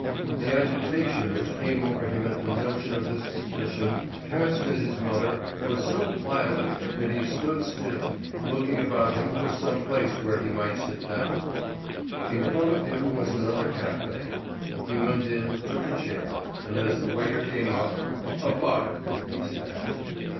The agitation which came over him at the notion of this suspicion cast at his mother was so violent that he stood still, looking about him for some place where he might sit down. In front of him was another café. He went in, took a chair, and as the waiter came up, "A bock," he said.